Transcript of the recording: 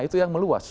itu yang meluas